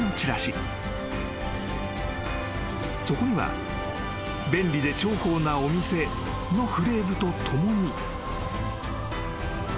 ［そこには「便利で重宝なお店」のフレーズと共に］